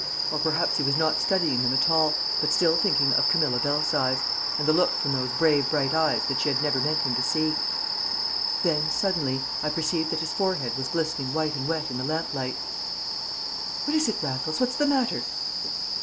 Or perhaps he was not studying them at all, but still thinking of Camilla Belsize, and the look from those brave bright eyes that she had never meant him to see. Then, suddenly, I perceived that his forehead was glistening white and wet in the lamplight. "What is it, Raffles? What's the matter?"